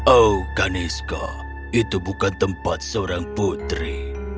oh kaniska itu bukan tempat seorang putri